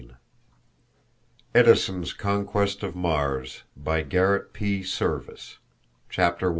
net Edison's Conquest of Mars by Garrett P. Serviss 1898 Chapter I.